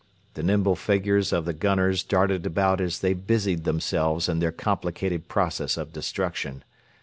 The nimble figures of the gunners darted about as they busied themselves in their complicated process of destruction.